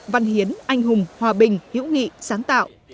văn hiến anh hùng hòa bình hữu nghị sáng tạo